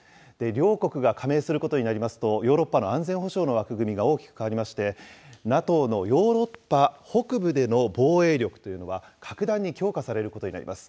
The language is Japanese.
両国が加盟することになりますと、ヨーロッパの安全保障の枠組みが大きく変わりまして、ＮＡＴＯのヨーロッパ北部での防衛力というのは、格段に強化されることになります。